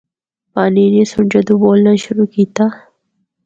پانینی سنڑ جدوں بولنا شروع کیتا۔